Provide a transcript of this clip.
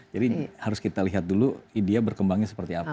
jadi harus kita lihat dulu dia berkembangnya seperti apa